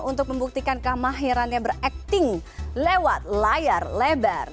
untuk membuktikan kemahirannya berakting lewat layar lebar